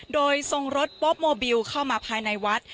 โดยทรงรถโป๊โมบิลเข้ามาภายในวัด